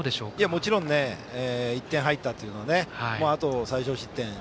もちろん１点入ったのはあとは最少失点。